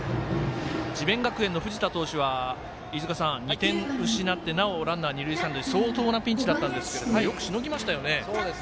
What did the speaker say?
智弁学園の藤田投手は２点失って、なお二塁三塁相当なピンチだったんですがよくしのぎましたよね。